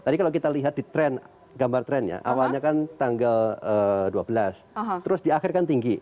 tadi kalau kita lihat di tren gambar trennya awalnya kan tanggal dua belas terus di akhir kan tinggi